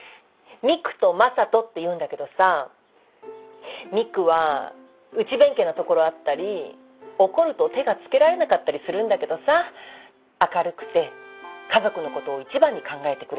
未来と正門っていうんだけどさ未来は内弁慶なところあったり怒ると手がつけられなかったりするんだけどさ明るくて家族のことを一番に考えてくれる。